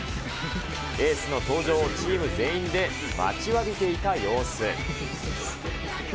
エースの登場をチーム全員で待ちわびていた様子。